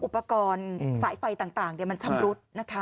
อุปกรณ์สายไฟต่างมันชำรุดนะคะ